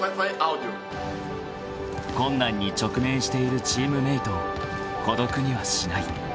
［困難に直面しているチームメートを孤独にはしない］